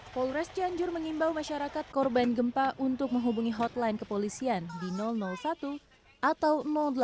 polres janjur mengimbau masyarakat korban gempa untuk menghubungi hotline kepolisian di satu atau delapan ribu dua ratus sebelas lima ratus tujuh puluh tujuh seribu satu ratus sepuluh